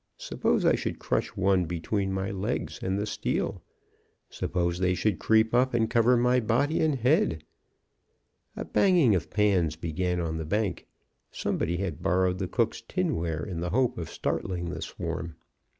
Suppose I should crush one between my leg and the steel! Suppose they should creep up and cover my body and head! "A banging of pans began on the bank. Somebody had borrowed the cook's tinware in the hope of starting the swarm.